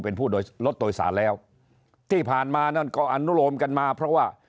เป็นผู้โดยรถโดยสารแล้วที่ผ่านมานั่นก็อนุโลมกันมาเพราะว่า